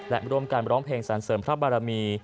และร่วมกันร้องเพลงสรรเสริมพระบารมี